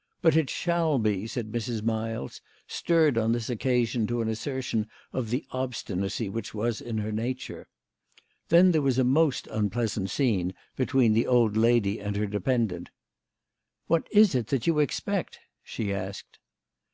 " But it shall be," said Mrs. Miles, stirred on this occasion to an assertion of the obstinacy which was in her nature. Then there was a most unpleasant scene between the old lady and her dependent. " What is it that you expect ?" she asked.